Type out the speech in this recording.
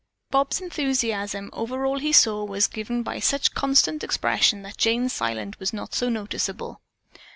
Bob's enthusiasm over all he saw was given such constant expression that Jane's silence was not so noticeable.